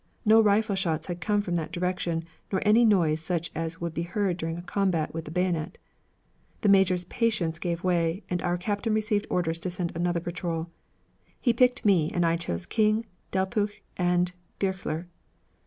No rifle shots had come from that direction, nor any noise such as would be heard during a combat with the bayonet. The major's patience gave way, and our captain received orders to send another patrol. He picked me and I chose King, Delpeuch, and Birchler.